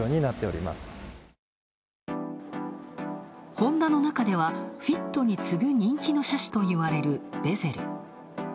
ホンダのなかでは、フィットにつぐ人気の車種といわれるヴェゼル。